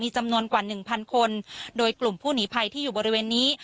จำนวนกว่าหนึ่งพันคนโดยกลุ่มผู้หนีภัยที่อยู่บริเวณนี้